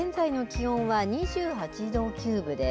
現在の気温は２８度９分です。